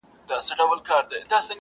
چي فرعون غوندي په خپل قدرت نازیږي -